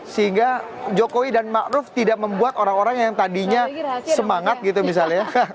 sehingga jokowi dan ma'ruf tidak membuat orang orang yang tadinya semangat gitu misalnya